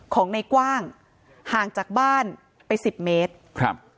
ของในกว้างห่างจากบ้านไป๑๐เมตร